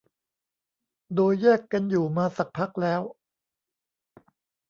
โดยแยกกันอยู่มาสักพักแล้ว